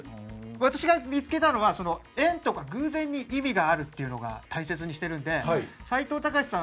私が見つけたのは縁とか偶然に意味があるのを大切にしているので斎藤隆さん